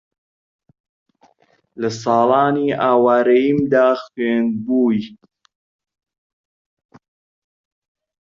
لە ساڵانی ئاوارەییمدا خوێندبووی